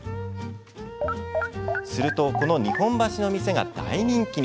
するとこの日本橋の店が大人気に。